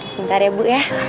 sebentar ya bu